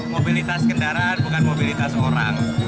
mobilitas kendaraan bukan mobilitas orang